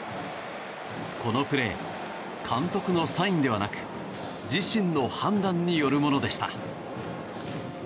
このプレー監督のサインではなく自身の判断によるものでした。